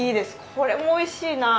これもおいしいなあ。